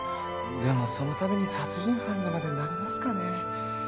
でもそのために殺人犯にまでなりますかね？